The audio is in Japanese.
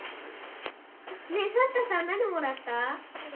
ねえサンタさん何もらった？